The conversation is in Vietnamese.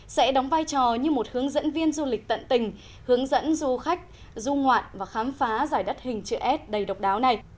sẽ đóng vai trò như một hướng dẫn viên du lịch tận tình hướng dẫn du khách du ngoạn và khám phá giải đất hình chữ s đầy độc đáo này